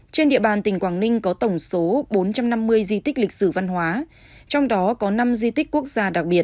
trên địa bàn tỉnh quảng ninh có tổng số bốn trăm năm mươi di tích lịch sử văn hóa trong đó có năm di tích quốc gia đặc biệt